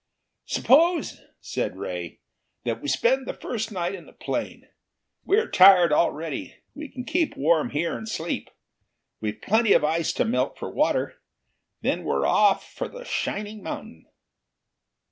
"Suppose," said Ray, "that we spend the first night in the plane. We are tired already. We can keep warm here, and sleep. We've plenty of ice to melt for water. Then we're off for the shining mountain."